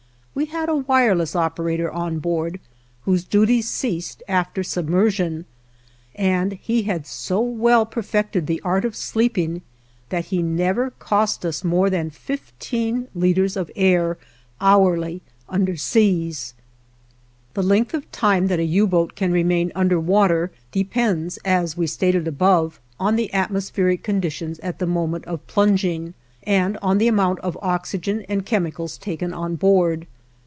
We had a wireless operator on board whose duties ceased after submersion, and he had so well perfected the art of sleeping that he never cost us more than fifteen liters of air, hourly, underseas. The length of time that a U boat can remain under water depends, as we stated above, on the atmospheric conditions at the moment of plunging, and on the amount of oxygen and chemicals taken on board.